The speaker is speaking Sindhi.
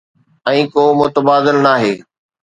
۽ ڪو متبادل ناهي.